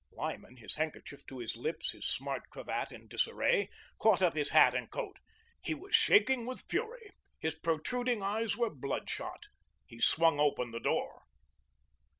Lyman, his handkerchief to his lips, his smart cravat in disarray, caught up his hat and coat. He was shaking with fury, his protruding eyes were blood shot. He swung open the door.